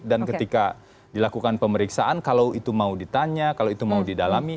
dan ketika dilakukan pemeriksaan kalau itu mau ditanya kalau itu mau didalami